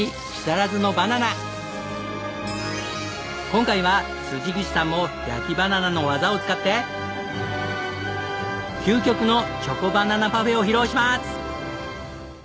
今回は口さんも焼きバナナの技を使って究極のチョコバナナパフェを披露します！